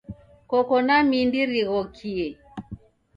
Koko na mindi righokie.